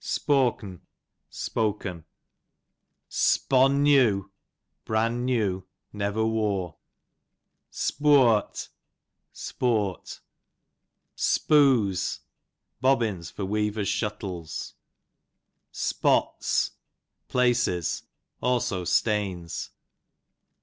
Spok'n, spoken. 103 saucy. Spon new, bran new, never ivore. Spooart, sport. Spoos, bobbins for weavers shuttles Spots, places ; also stains.